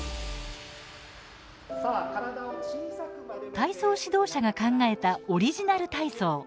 体操指導者が考えたオリジナル体操。